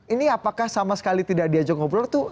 ini apakah sama sekali tidak diajak ngobrol tuh